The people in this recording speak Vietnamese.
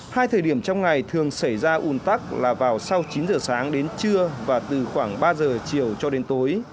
hai thời điểm trong ngày thường xảy ra ủn tắc là vào sau chín giờ sáng đến trưa và từ khoảng ba giờ chiều cho đến tối